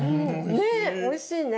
ねっおいしいね。